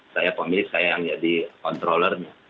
saya pemilik saya yang jadi controllernya